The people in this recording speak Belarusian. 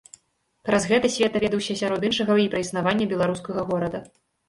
Праз гэта свет даведаўся сярод іншага і пра існаванне беларускага горада.